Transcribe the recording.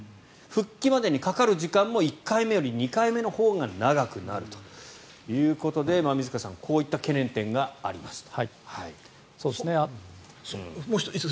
復帰までにかかる時間も１回目より２回目のほうが長くなるということで馬見塚さんこういった懸念点がありますと。